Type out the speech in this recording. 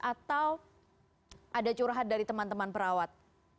atau ada curhat dari teman teman perawat